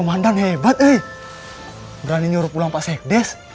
pemandang hebat berani nyuruh pulang pak saikdes